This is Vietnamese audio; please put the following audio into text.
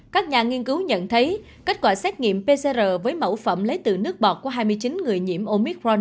các nhà nghiên cứu nhận thấy kết quả xét nghiệm pcr với mẫu phẩm lấy từ nước bọt của hai mươi chín người nhiễm omicron